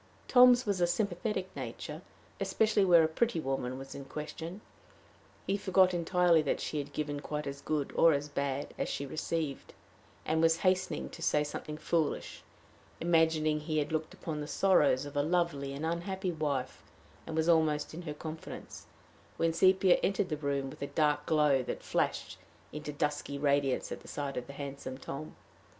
Tom's was a sympathetic nature, especially where a pretty woman was in question. He forgot entirely that she had given quite as good, or as bad, as she received, and was hastening to say something foolish, imagining he had looked upon the sorrows of a lovely and unhappy wife and was almost in her confidence, when Sepia entered the room, with a dark glow that flashed into dusky radiance at sight of the handsome Tom.